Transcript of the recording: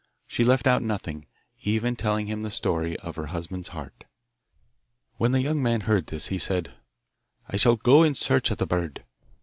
She left out nothing, even telling him the story of her husband's heart. When the young man heard this he said: 'I shall go in search of the bird.